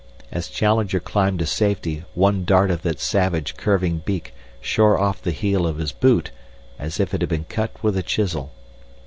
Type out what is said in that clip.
As Challenger climbed to safety one dart of that savage curving beak shore off the heel of his boot as if it had been cut with a chisel.